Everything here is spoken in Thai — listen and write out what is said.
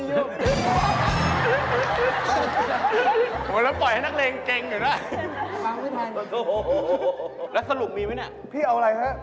คืออุปกรณ์อะไรก็ได้ที่ใช้วาด